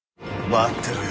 待ってろよ